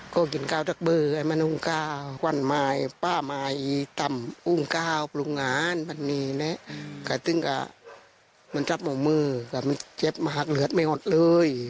ก็จะรับบอกมือชับมากเหลือไม่อดเลย